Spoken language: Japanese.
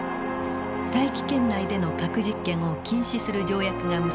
大気圏内での核実験を禁止する条約が結ばれました。